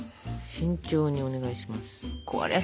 慎重にお願いします。